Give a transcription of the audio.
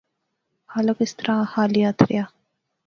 خالق اس طرح خالی ہتھ ریا